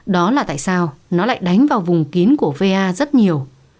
đó là tại sao nó lại đánh vào vùng kín của va rất nhiều